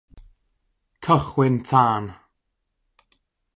Cychwyn Tân.